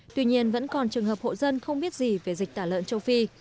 tuy nhiên vẫn còn trường hợp hộ dân không biết gì về dịch tả lợn châu phi